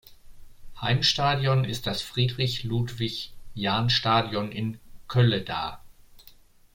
Heimstadion ist das Friedrich-Ludwig-Jahn-Stadion in Kölleda.